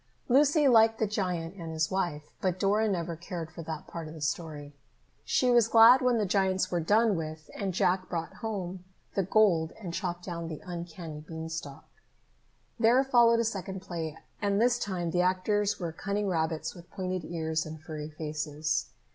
Lucy liked the giant and his wife, but Dora never cared for that part of the story. She was glad when the giants were done with and Jack brought home the gold and chopped down the uncanny beanstalk. There followed a second play, and this time the actors were cunning rabbits with pointed ears and furry faces.